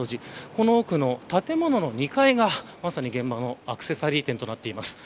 この奥の建物の２階がまさに現場のアクセサリー店となっています。